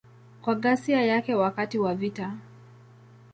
Kwa ghasia yake wakati wa vita.